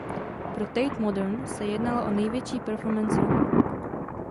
Pro Tate Modern se jednalo o největší performance roku.